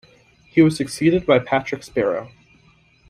He was succeeded by Patrick Sparrow.